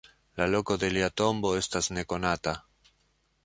La loko de lia tombo estas nekonata.